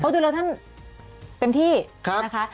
ดูแล้วท่านเต็มที่นะคะ